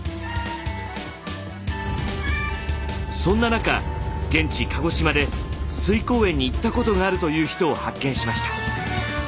そんな中現地鹿児島で翠光園に行ったことがあるという人を発見しました。